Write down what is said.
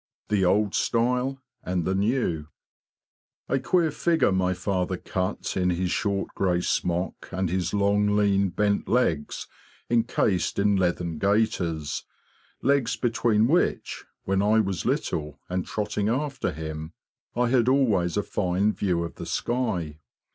The Old Style and the New A queer figure my father cut in his short grey smock and his long lean bent legs encased in leathern gaiters, legs between which, when I was little, and trotting after him, I had always a fine view of the sky.